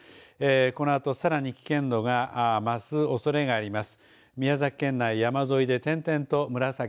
このあとさらに危険度が増すおそれがあります。